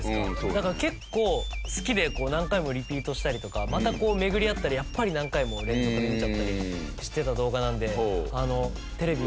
だから結構好きで何回もリピートしたりとかまたこう巡り合ったりやっぱり何回も連続で見ちゃったりしてた動画なんで。